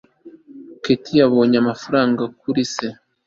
kate yabonye amafaranga kuri se